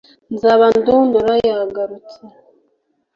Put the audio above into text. nzaba ndundura yagarutse